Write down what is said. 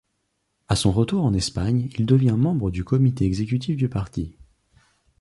À son retour en Espagne, il devient membre du Comité exécutif du parti.